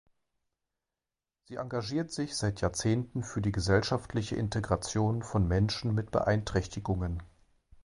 Sie engagiert sich seit Jahrzehnten für die gesellschaftliche Integration von Menschen mit Beeinträchtigungen.